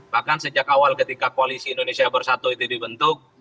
bahkan sejak awal ketika koalisi indonesia bersatu itu dibentuk